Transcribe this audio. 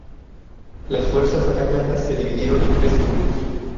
Las fuerzas atacantes se dividieron en tres grupos.